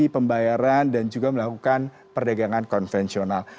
pembayaran dan juga melakukan perdagangan konvensional